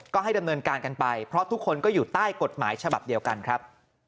ก็ให้ดำเนินการกันไปเพราะทุกคนก็อยู่ใต้กฎหมายฉบับเดียวกันครับ